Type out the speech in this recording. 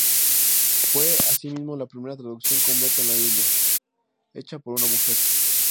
Fue, asimismo, la primera traducción completa de la Biblia, hecha por una mujer.